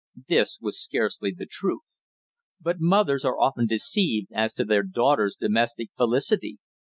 This was scarcely the truth; but mothers are often deceived as to their daughters' domestic felicity.